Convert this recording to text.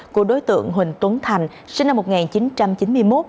của đối tượng huỳnh tuấn thành sinh năm một nghìn chín trăm chín mươi một